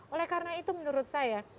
oleh karena itu menurut saya